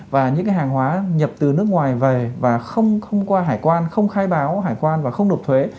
và những hàng hóa nhập từ nước ngoài về và không qua hải quan không khai báo hải quan và không nộp thuế